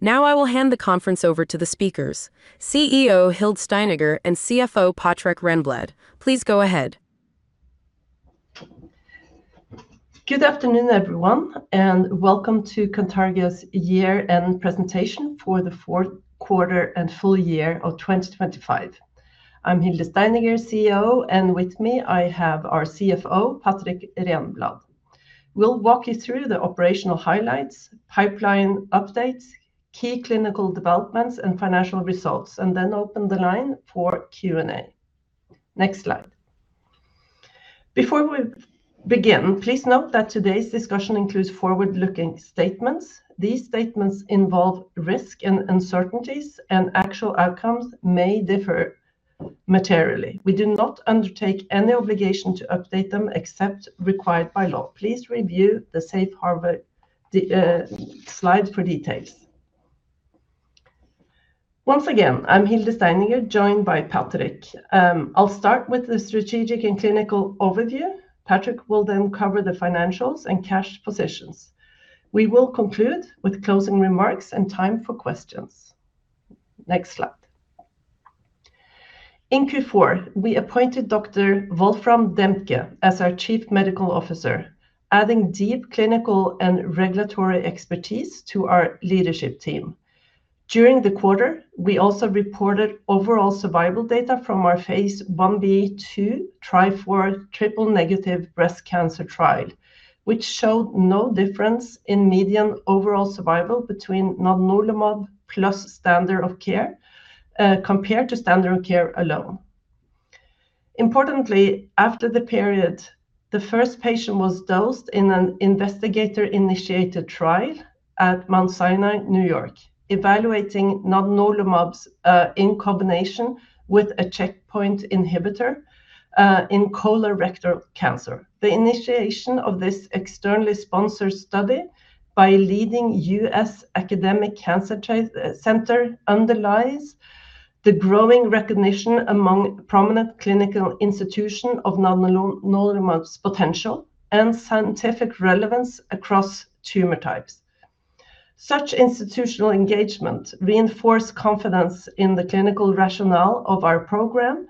Now I will hand the conference over to the speakers, CEO Hilde Steineger and CFO Patrik Renblad. Please go ahead. Good afternoon, everyone, and welcome to Cantargia's year-end presentation for the fourth quarter and full year of 2025. I'm Hilde Steineger, CEO, and with me, I have our CFO, Patrik Renblad. We'll walk you through the operational highlights, pipeline updates, key clinical developments, and financial results, and then open the line for Q&A. Next slide. Before we begin, please note that today's discussion includes forward-looking statements. These statements involve risk and uncertainties, and actual outcomes may differ materially. We do not undertake any obligation to update them except required by law. Please review the safe harbor slide for details. Once again, I'm Hilde Steineger, joined by Patrik. I'll start with the strategic and clinical overview. Patrik will then cover the financials and cash positions. We will conclude with closing remarks and time for questions. Next slide. In Q4, we appointed Dr. Wolfram Dempke as our Chief Medical Officer, adding deep clinical and regulatory expertise to our leadership team. During the quarter, we also reported overall survival data from our phase Ib/2 TRIFOUR triple-negative breast cancer trial, which showed no difference in median overall survival between nadunolimab plus standard of care compared to standard care alone. Importantly, after the period, the first patient was dosed in an investigator-initiated trial at Mount Sinai, New York, evaluating nadunolimab's in combination with a checkpoint inhibitor in colorectal cancer. The initiation of this externally sponsored study by a leading U.S. academic cancer center underlies the growing recognition among prominent clinical institutions of nadunolimab's potential and scientific relevance across tumor types. Such institutional engagement reinforce confidence in the clinical rationale of our program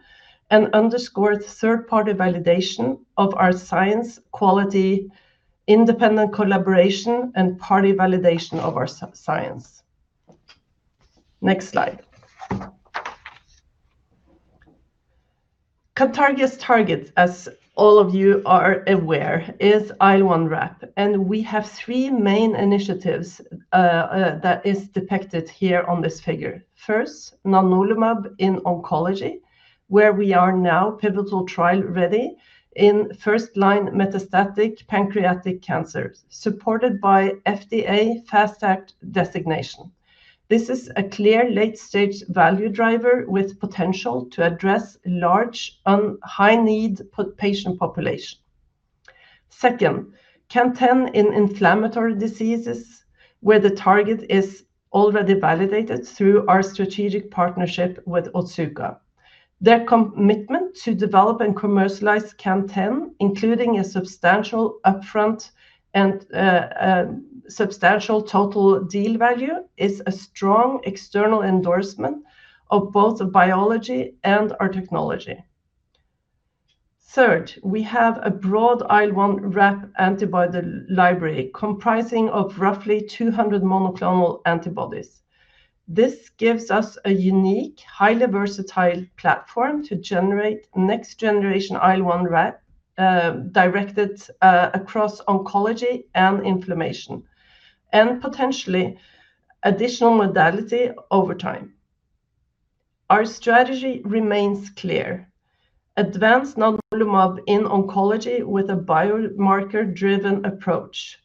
and underscore the third-party validation of our science, quality, independent collaboration, and party validation of our science. Next slide. Cantargia's target, as all of you are aware, is IL-1RAP, and we have three main initiatives that is depicted here on this figure. First, nadunolimab in oncology, where we are now pivotal trial-ready in first-line metastatic pancreatic cancer, supported by FDA Fast Track designation. This is a clear late-stage value driver with potential to address large and high-need patient population. Second, CAN10 in inflammatory diseases, where the target is already validated through our strategic partnership with Otsuka. Their commitment to develop and commercialize CAN10, including a substantial upfront and substantial total deal value, is a strong external endorsement of both the biology and our technology. Third, we have a broad IL-1RAP antibody library, comprising of roughly 200 monoclonal antibodies. This gives us a unique, highly versatile platform to generate next-generation IL1RAP, directed, across oncology and inflammation, and potentially additional modality over time. Our strategy remains clear: advance nadunolimab in oncology with a biomarker-driven approach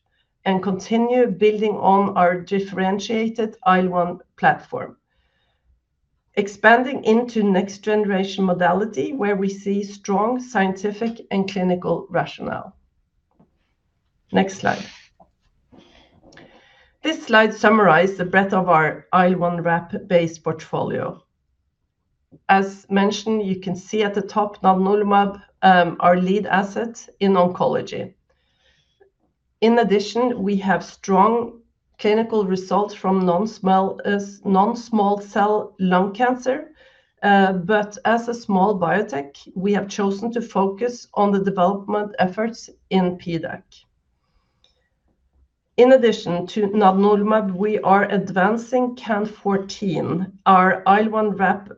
and continue building on our differentiated IL1 platform, expanding into next-generation modality, where we see strong scientific and clinical rationale. Next slide. This slide summarizes the breadth of our IL1RAP-based portfolio. As mentioned, you can see at the top nadunolimab, our lead asset in oncology. In addition, we have strong clinical results from non-small cell lung cancer. But as a small biotech, we have chosen to focus on the development efforts in PDAC. In addition to nadunolimab, we are advancing CAN14, our IL1RAP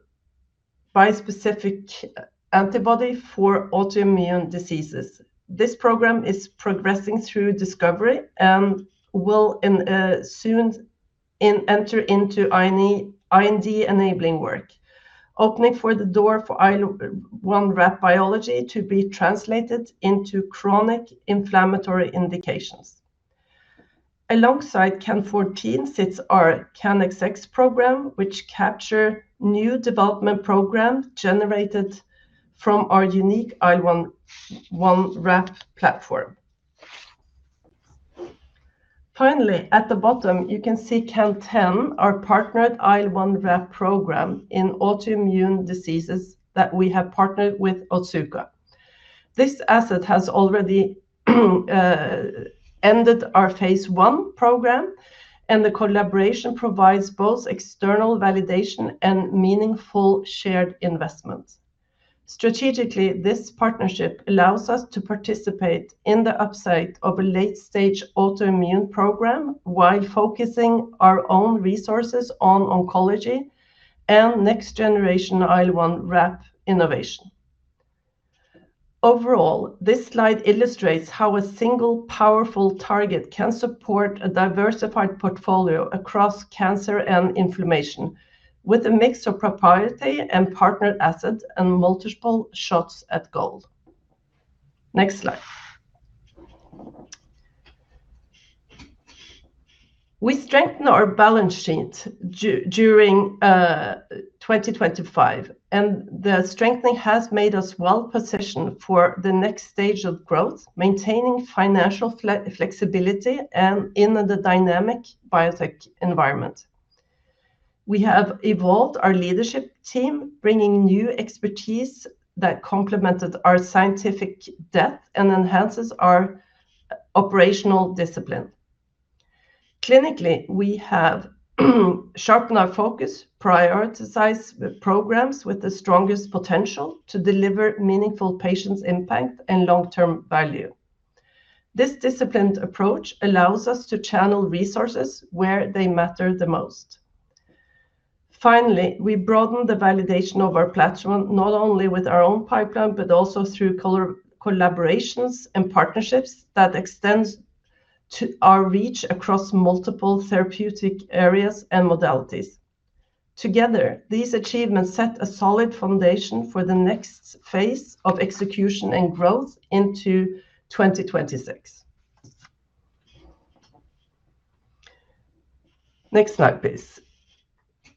bispecific antibody for autoimmune diseases. This program is progressing through discovery and will soon enter into IND-enabling work, opening the door for IL1RAP biology to be translated into chronic inflammatory indications. Alongside CAN14 sits our CAN10 program, which capture new development program generated from our unique IL-1RAP platform. Finally, at the bottom, you can see CAN10, our partnered IL1RAP program in autoimmune diseases that we have partnered with Otsuka. This asset has already ended our phase one program, and the collaboration provides both external validation and meaningful shared investments. Strategically, this partnership allows us to participate in the upside of a late-stage autoimmune program while focusing our own resources on oncology and next-generation IL-1RAP innovation. Overall, this slide illustrates how a single powerful target can support a diversified portfolio across cancer and inflammation, with a mix of proprietary and partnered assets and multiple shots at goal. Next slide. We strengthen our balance sheet during 2025, and the strengthening has made us well-positioned for the next stage of growth, maintaining financial flexibility and in the dynamic biotech environment. We have evolved our leadership team, bringing new expertise that complemented our scientific depth and enhances our operational discipline. Clinically, we have sharpened our focus, prioritized the programs with the strongest potential to deliver meaningful patient impact and long-term value. This disciplined approach allows us to channel resources where they matter the most. Finally, we broaden the validation of our platform, not only with our own pipeline, but also through collaborations and partnerships that extends to our reach across multiple therapeutic areas and modalities. Together, these achievements set a solid foundation for the next phase of execution and growth into 2026. Next slide, please.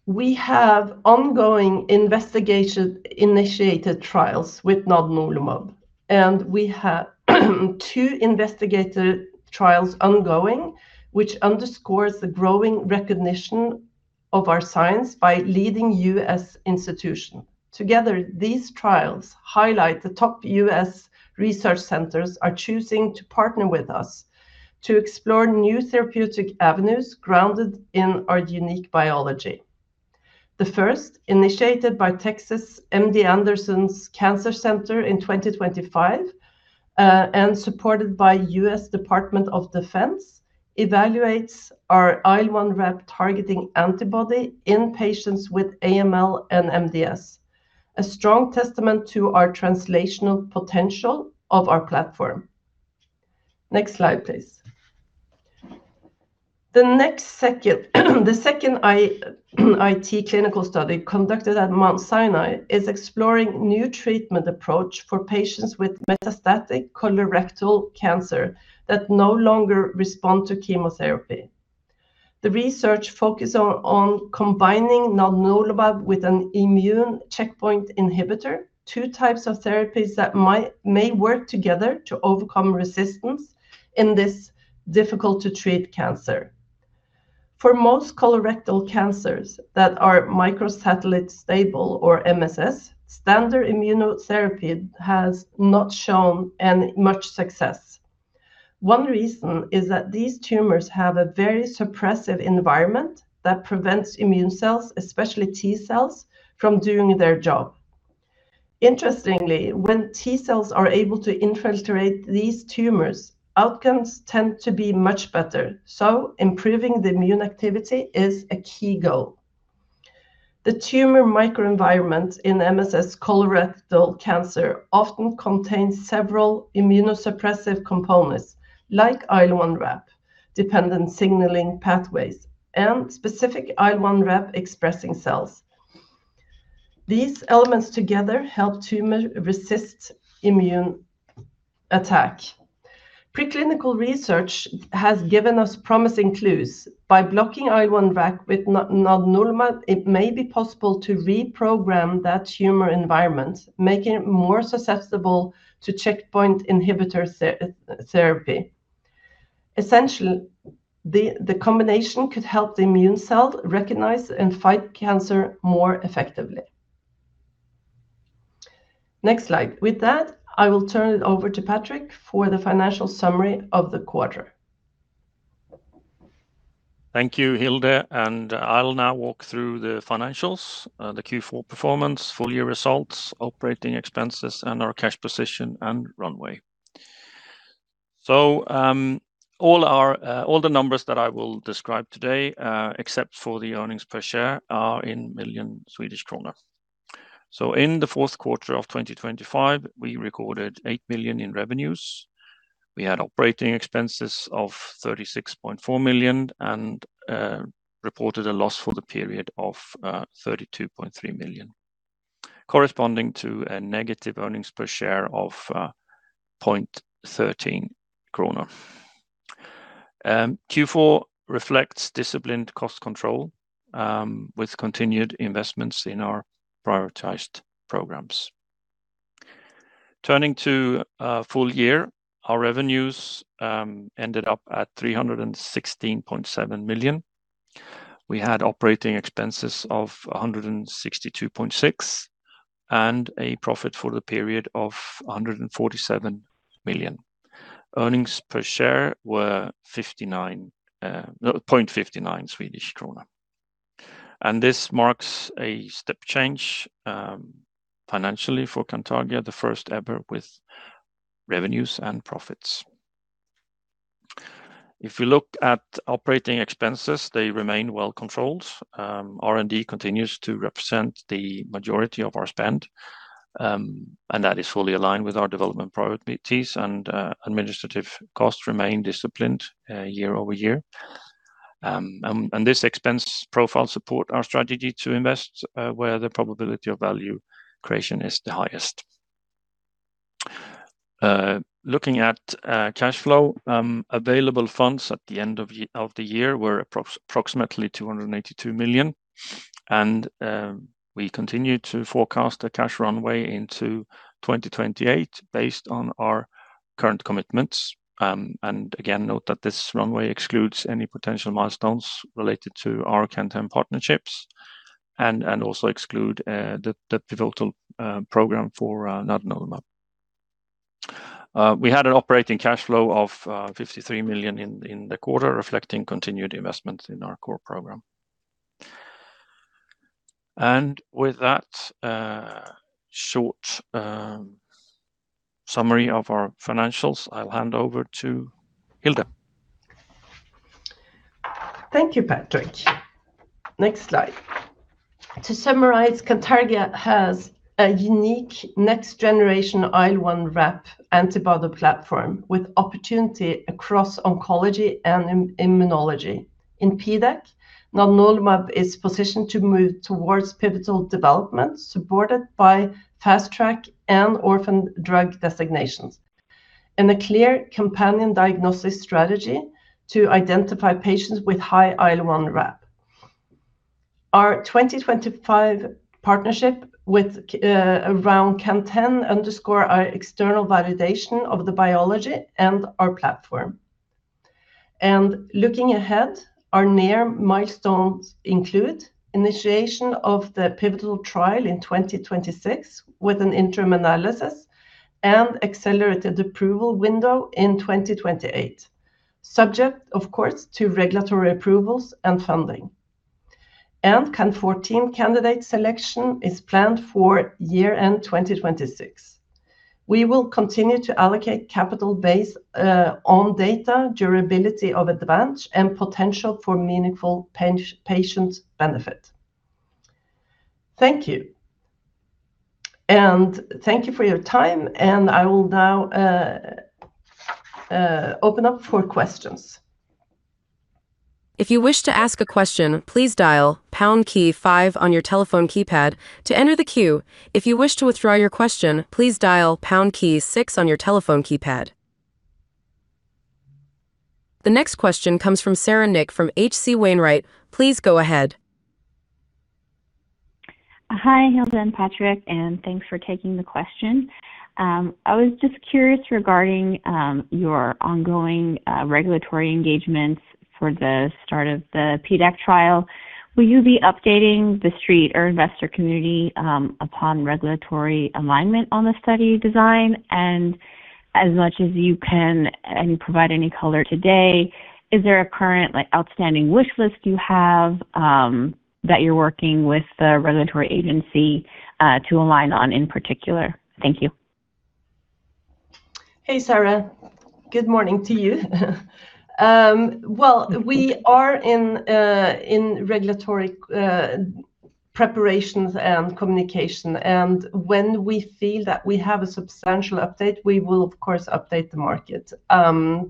We have ongoing investigator-initiated trials with nadunolimab, and we have two investigator trials ongoing, which underscores the growing recognition of our science by leading U.S. institution. Together, these trials highlight the top U.S. research centers are choosing to partner with us to explore new therapeutic avenues grounded in our unique biology. The first, initiated by Texas MD Anderson Cancer Center in 2025, and supported by U.S. Department of Defense, evaluates our IL1RAP targeting antibody in patients with AML and MDS, a strong testament to our translational potential of our platform. Next slide, please. The second investigator-initiated clinical study, conducted at Mount Sinai, is exploring new treatment approach for patients with metastatic colorectal cancer that no longer respond to chemotherapy. The research focus on combining nadunolimab with an immune checkpoint inhibitor, two types of therapies that may work together to overcome resistance in this difficult-to-treat cancer. For most colorectal cancers that are microsatellite stable or MSS, standard immunotherapy has not shown much success. One reason is that these tumors have a very suppressive environment that prevents immune cells, especially T-cells, from doing their job. Interestingly, when T cells are able to infiltrate these tumors, outcomes tend to be much better, so improving the immune activity is a key goal. The tumor microenvironment in MSS colorectal cancer often contains several immunosuppressive components, like IL1RAP-dependent signaling pathways, and specific IL1RAP-expressing cells. These elements together help tumor resist immune attack. Preclinical research has given us promising clues. By blocking IL1RAP with nadunolimab, it may be possible to reprogram that tumor environment, making it more susceptible to checkpoint inhibitor therapy. Essentially, the combination could help the immune cell recognize and fight cancer more effectively. Next slide. With that, I will turn it over to Patrik for the financial summary of the quarter. Thank you, Hilde, and I'll now walk through the financials, the Q4 performance, full year results, operating expenses, and our cash position and runway. All the numbers that I will describe today, except for the earnings per share, are in millions of SEK. In the fourth quarter of 2025, we recorded 8 million in revenues. We had operating expenses of 36.4 million and reported a loss for the period of 32.3 million, corresponding to a negative earnings per share of 0.13 kronor. Q4 reflects disciplined cost control, with continued investments in our prioritized programs. Turning to full year, our revenues ended up at 316.7 million. We had operating expenses of 162.6 million, and a profit for the period of 147 million. Earnings per share were fifty-nine, no, point fifty-nine Swedish krona. This marks a step change, financially for Cantargia, the first ever with revenues and profits. If you look at operating expenses, they remain well controlled. R&D continues to represent the majority of our spend, and that is fully aligned with our development priorities and, administrative costs remain disciplined, year-over-year. And this expense profile support our strategy to invest, where the probability of value creation is the highest. Looking at cash flow, available funds at the end of the year were approximately 282 million, and we continue to forecast a cash runway into 2028 based on our current commitments. And again, note that this runway excludes any potential milestones related to our CAN10 partnerships, and also excludes the pivotal program for nadunolimab. We had an operating cash flow of 53 million in the quarter, reflecting continued investments in our core program. And with that short summary of our financials, I'll hand over to Hilde. Thank you, Patrik. Next slide. To summarize, Cantargia has a unique next generation IL1RAP antibody platform, with opportunity across oncology and immunology. In PDAC, nadunolimab is positioned to move towards pivotal development, supported by Fast Track and Orphan Drug Designations, and a clear companion diagnostic strategy to identify patients with high IL1RAP. Our 2025 partnership with our CAN10 underscores our external validation of the biology and our platform. Looking ahead, our near milestones include initiation of the pivotal trial in 2026, with an interim analysis and accelerated approval window in 2028, subject, of course, to regulatory approvals and funding. CAN14 candidate selection is planned for year-end 2026. We will continue to allocate capital based on data, durability of advantage, and potential for meaningful patient benefit. Thank you, and thank you for your time, and I will now open up for questions. If you wish to ask a question, please dial pound key five on your telephone keypad to enter the queue. If you wish to withdraw your question, please dial pound key six on your telephone keypad. The next question comes from Sara Nik from H.C. Wainwright. Please go ahead. Hi, Hilde and Patrik, and thanks for taking the question. I was just curious regarding your ongoing regulatory engagements for the start of the PDAC trial. Will you be updating the street or investor community upon regulatory alignment on the study design? And as much as you can, and provide any color today, is there a current, like, outstanding wish list you have that you're working with the regulatory agency to align on in particular? Thank you. Hey, Sara. Good morning to you. Well, we are in regulatory preparations and communication, and when we feel that we have a substantial update, we will, of course, update the market.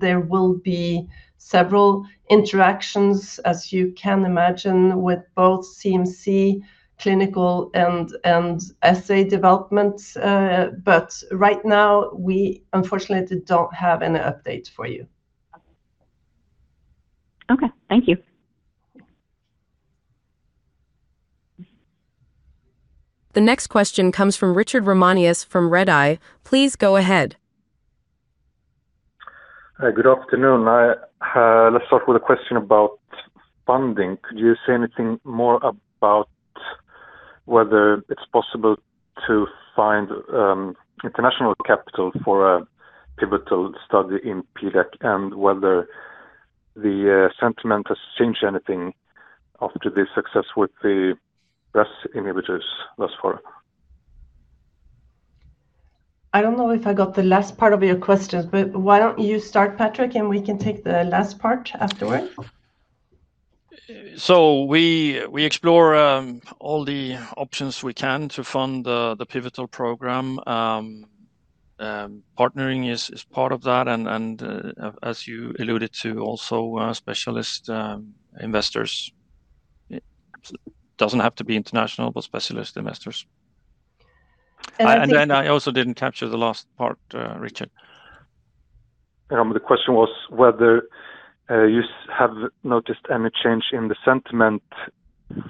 There will be several interactions, as you can imagine, with both CMC, clinical, and assay development, but right now, we unfortunately don't have any update for you. Okay. Thank you. The next question comes from Richard Ramanius from Redeye. Please go ahead. Hi, good afternoon. I, let's start with a question about funding. Could you say anything more about whether it's possible to find international capital for a pivotal study in PDAC, and whether the sentiment has changed anything after the success with the KRAS inhibitors thus far? I don't know if I got the last part of your question, but why don't you start, Patrik, and we can take the last part afterward? We explore all the options we can to fund the pivotal program. Partnering is part of that, and as you alluded to, also specialist investors. It doesn't have to be international, but specialist investors. I think- I also didn't capture the last part, Richard. The question was whether you have noticed any change in the sentiment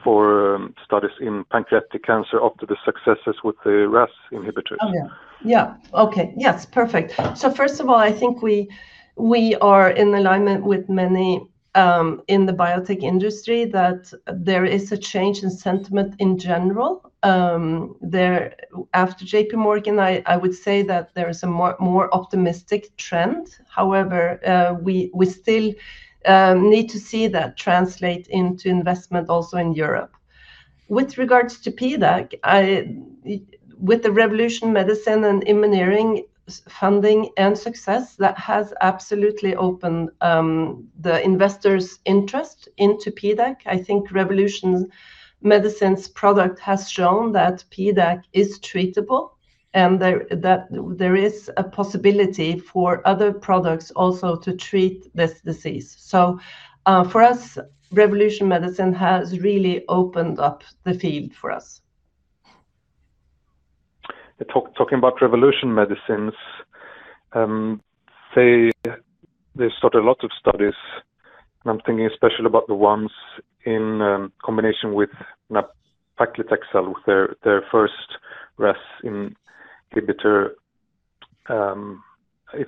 for studies in pancreatic cancer after the successes with the RAS inhibitors? Oh, yeah. Yeah, okay. Yes, perfect. So first of all, I think we, we are in alignment with many in the biotech industry, that there is a change in sentiment in general. After JPMorgan, I, I would say that there is a more, more optimistic trend. However, we, we still need to see that translate into investment also in Europe. With regards to PDAC, with the Revolution Medicines and Immunoering funding and success, that has absolutely opened the investors' interest into PDAC. I think Revolution Medicines' product has shown that PDAC is treatable, and that there is a possibility for other products also to treat this disease. So, for us, Revolution Medicines has really opened up the field for us. Talking about Revolution Medicines, they've started lots of studies, and I'm thinking especially about the ones in combination with nab-paclitaxel with their first RAS inhibitor. If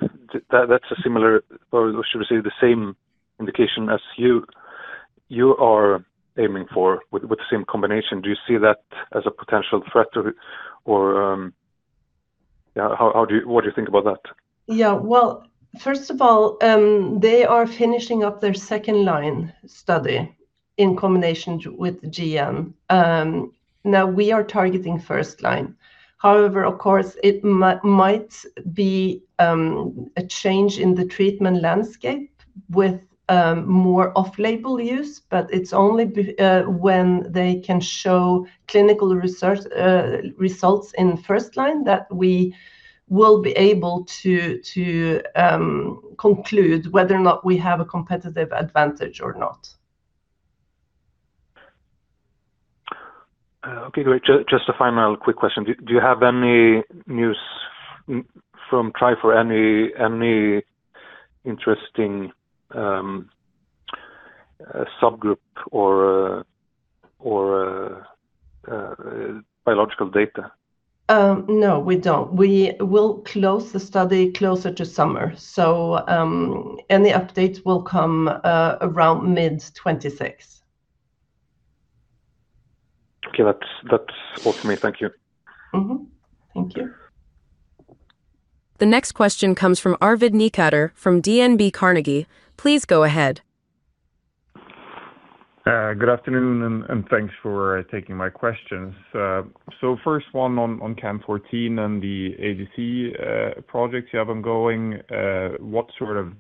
that's a similar, or should I say, the same indication as you are aiming for with the same combination. Do you see that as a potential threat or... Yeah, how do you, what do you think about that? Yeah, well, first of all, they are finishing up their second line study in combination with Gem. Now, we are targeting first line. However, of course, it might be a change in the treatment landscape with more off-label use, but it's only when they can show clinical research results in first line that we will be able to conclude whether or not we have a competitive advantage or not. Okay, great. Just a final quick question. Do you have any news from trial for any interesting subgroup or biological data? No, we don't. We will close the study closer to summer, so, any updates will come around mid-2026. Okay, that's, that's all for me. Thank you. Mm-hmm. Thank you. The next question comes from Arvid Niklasson from DNB Carnegie. Please go ahead. Good afternoon, and thanks for taking my questions. So first one on CAN14 and the ADC project you have ongoing. What sort of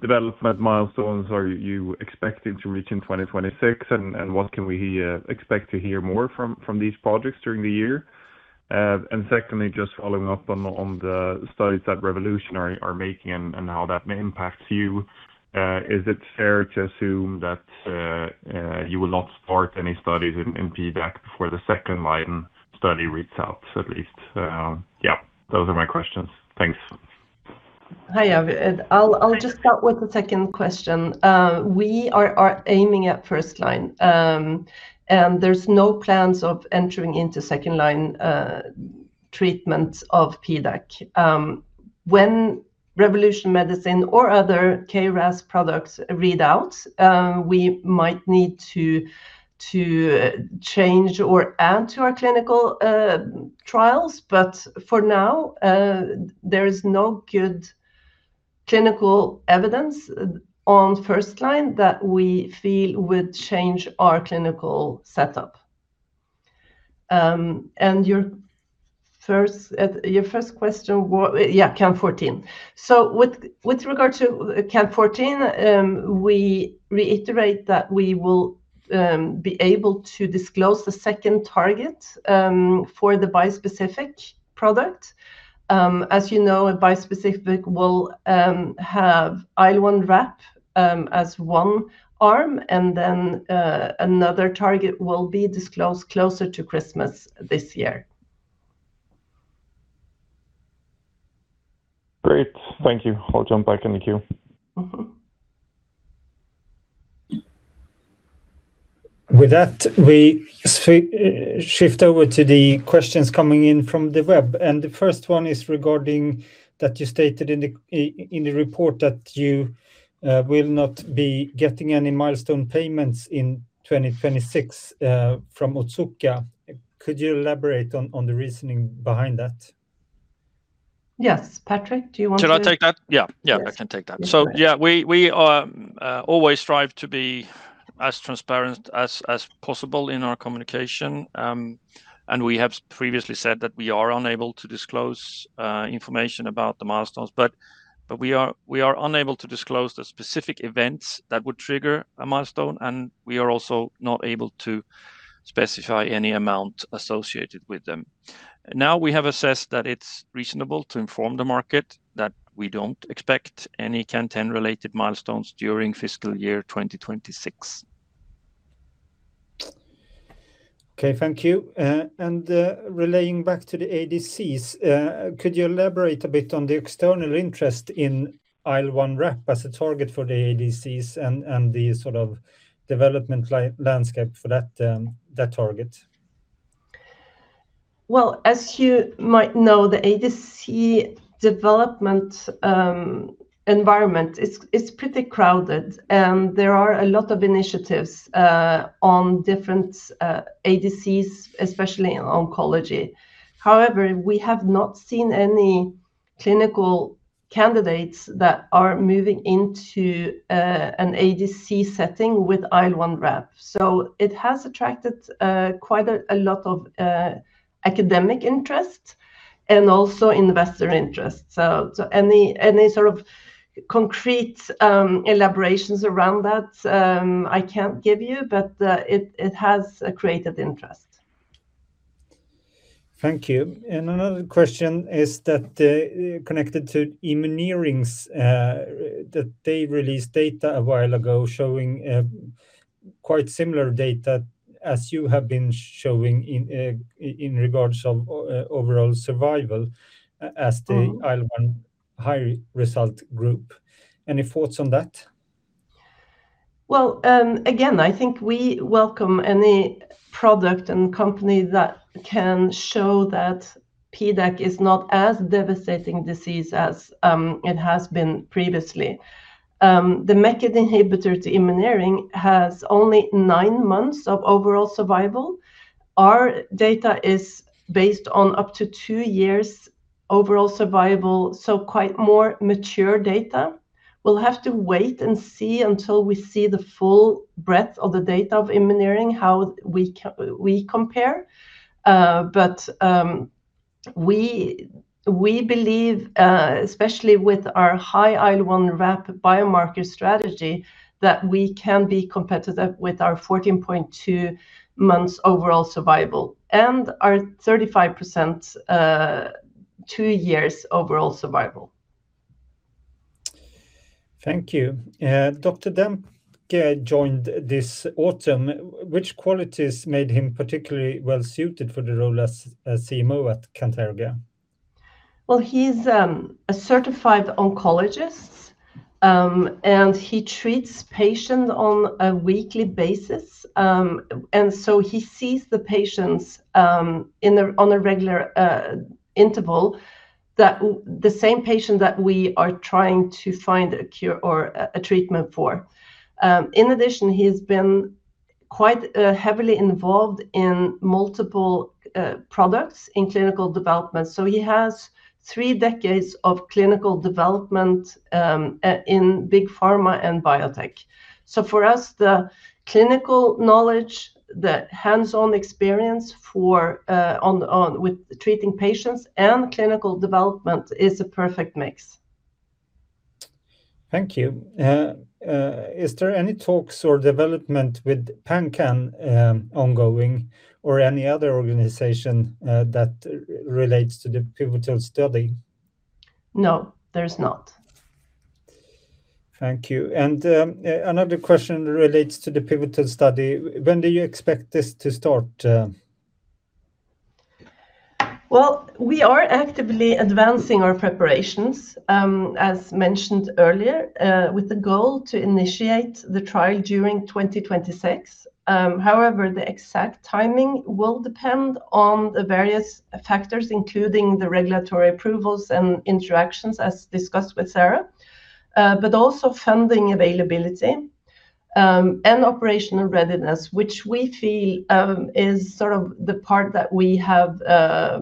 development milestones are you expecting to reach in 2026, and what can we expect to hear more from these projects during the year? And secondly, just following up on the studies that Revolution Medicines are making and how that may impact you. Is it fair to assume that you will not start any studies in PDAC before the second line study reads out, at least? Yeah, those are my questions. Thanks. Hi, Arvid. I'll just start with the second question. We are aiming at first line, and there's no plans of entering into second line treatment of PDAC. When Revolution Medicines or other KRAS products read out, we might need to change or add to our clinical trials. But for now, there is no good clinical evidence on first line that we feel would change our clinical setup. And your first, your first question yeah, CAN14. So with regard to CAN14, we reiterate that we will be able to disclose the second target for the bispecific product. As you know, a bispecific will have IL1RAP as one arm, and then another target will be disclosed closer to Christmas this year. Great. Thank you. I'll jump back in the queue. Mm-hmm. With that, we shift over to the questions coming in from the web, and the first one is regarding that you stated in the report that you will not be getting any milestone payments in 2026 from Otsuka. Could you elaborate on the reasoning behind that? Yes. Patrik, do you want to- Shall I take that? Yeah. Yes. Yeah, I can take that. Yeah. So, yeah, we always strive to be as transparent as possible in our communication, and we have previously said that we are unable to disclose information about the milestones. But we are unable to disclose the specific events that would trigger a milestone, and we are also not able to specify any amount associated with them. Now, we have assessed that it's reasonable to inform the market that we don't expect any CAN10-related milestones during fiscal year 2026. Okay, thank you. And, relaying back to the ADCs, could you elaborate a bit on the external interest in IL1RAP as a target for the ADCs and the sort of development landscape for that target? Well, as you might know, the ADC development environment is pretty crowded, and there are a lot of initiatives on different ADCs, especially in oncology. However, we have not seen any clinical candidates that are moving into an ADC setting with IL1RAP. So it has attracted quite a lot of academic interest and also investor interest. So any sort of concrete elaborations around that, I can't give you, but it has created interest. Thank you. And another question is that, connected to Immunoering's, that they released data a while ago showing, quite similar data as you have been showing in, in regards of overall survival as the- Mm-hmm.... IL-1 high result group. Any thoughts on that? Well, again, I think we welcome any product and company that can show that PDAC is not as devastating disease as it has been previously. The MEK inhibitor to Immunoering has only nine months of overall survival. Our data is based on up to two years' overall survival, so quite more mature data. We'll have to wait and see until we see the full breadth of the data of Immunoering, how we compare. But we believe, especially with our high IL-1RAP biomarker strategy, that we can be competitive with our 14.2 months overall survival and our 35% two years overall survival. Thank you. Dr. Dempke joined this autumn. Which qualities made him particularly well-suited for the role as CMO at Cantargia? Well, he's a certified oncologist, and he treats patients on a weekly basis. And so he sees the patients on a regular interval, the same patient that we are trying to find a cure or a treatment for. In addition, he has been quite heavily involved in multiple products in clinical development, so he has 3 decades of clinical development in big pharma and biotech. So for us, the clinical knowledge, the hands-on experience with treating patients and clinical development is a perfect mix. Thank you. Is there any talks or development with PanCAN ongoing, or any other organization that relates to the pivotal study? No, there's not. Thank you. And, another question relates to the pivotal study. When do you expect this to start? Well, we are actively advancing our preparations, as mentioned earlier, with the goal to initiate the trial during 2026. However, the exact timing will depend on the various factors, including the regulatory approvals and interactions, as discussed with Sara, but also funding availability, and operational readiness, which we feel, is sort of the part that we have a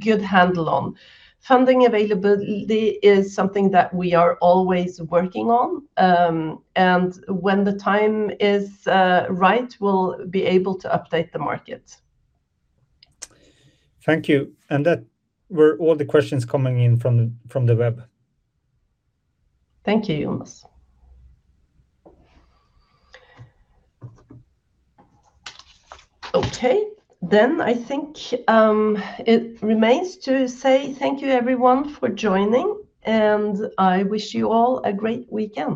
good handle on. Funding availability is something that we are always working on. And when the time is right, we'll be able to update the market. Thank you, and that were all the questions coming in from the web. Thank you, Jonas. Okay, then I think, it remains to say thank you, everyone, for joining, and I wish you all a great weekend.